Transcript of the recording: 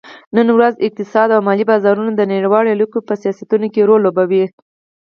نن ورځ اقتصاد او مالي بازارونه د نړیوالو اړیکو په سیاستونو کې رول لوبوي